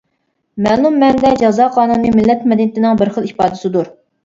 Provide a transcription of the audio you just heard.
مەلۇم مەنىدە جازا قانۇنى مىللەت مەدەنىيىتىنىڭ بىر خىل ئىپادىسىدۇر.